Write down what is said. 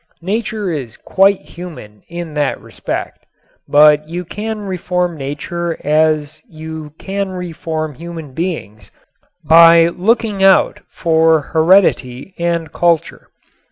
Nature is quite human in that respect. But you can reform Nature as you can human beings by looking out for heredity and culture.